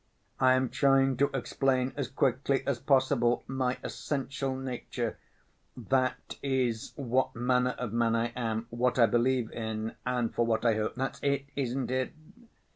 I am trying to explain as quickly as possible my essential nature, that is what manner of man I am, what I believe in, and for what I hope, that's it, isn't it?